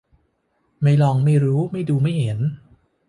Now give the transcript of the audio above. ไม่ลองไม่รู้ ไม่ดูไม่เห็น